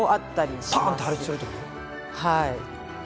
はい。